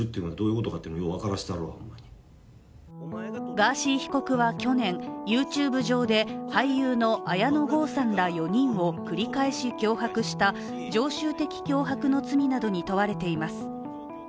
ガーシー被告は去年、ＹｏｕＴｕｂｅ上で俳優の綾野剛さんら４人を繰り返し脅迫した常習的脅迫の罪などに問われています。